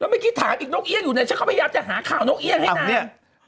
แล้วไม่คิดถามอีกนกเอี้ยงอยู่ไหนฉันเข้าพยายามจะหาข่าวนกเอี้ยงให้นาน